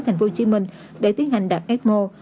tp hcm để tiến hành đặt fmo